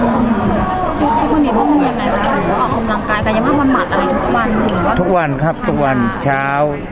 ทุกวันเดียวพวกมึงยังไงออกกำลังกายกายภาพมันหมัดอะไรทุกวัน